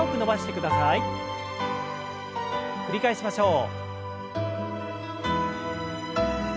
繰り返しましょう。